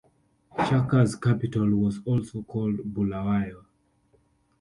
Shaka's capital was also called Bulawayo.